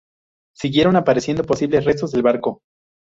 Siguieron apareciendo posibles restos del barco.